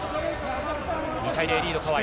２対０、リード、川井。